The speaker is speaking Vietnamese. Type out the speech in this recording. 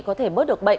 có thể bớt được bệnh